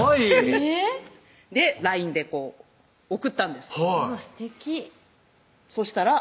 えぇＬＩＮＥでこう送ったんですうわ